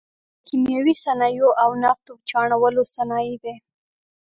د کیمیاوي صنایعو او نفتو چاڼولو صنایع دي.